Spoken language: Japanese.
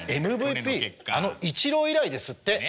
ＭＶＰあのイチロー以来ですって。